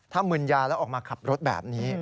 ถ้ามึนยาแล้วออกมาขับรถแบบนี้